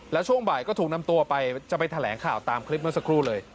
แล้วช่วงบ่ายก็ถูกนำตัวไปจะไปแถลงข่าวตามคลิปเมื่อสักครู่เลย